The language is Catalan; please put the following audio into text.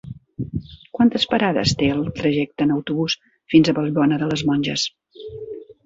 Quantes parades té el trajecte en autobús fins a Vallbona de les Monges?